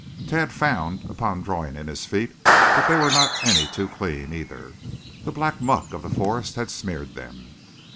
Tad found, upon drawing in his feet, that they were not any too clean either. The black muck of the forest had smeared them.